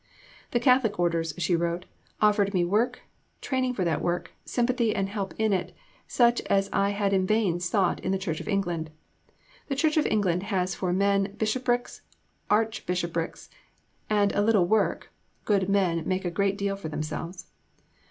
"The Catholic orders," she wrote, "offered me work, training for that work, sympathy and help in it, such as I had in vain sought in the Church of England. The Church of England has for men bishoprics, archbishoprics, and a little work (good men make a great deal for themselves).